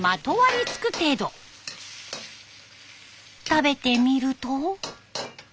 食べてみると。